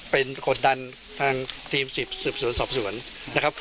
เป็นกดดันทางทีมสืบสวนสอบสวนนะครับ